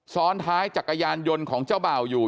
ซ้อนท้ายจักรยานยนต์ของเจ้าบ่าวอยู่